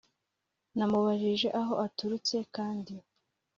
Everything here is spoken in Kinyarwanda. Namubajije aho aturutse kandi